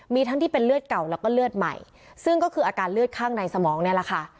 มีทั้งที่เป็นเลือดเก่าแล้วก็เลือดใหม่ซึ่งก็คืออาการเลือดข้างในสมองนี่แหละค่ะ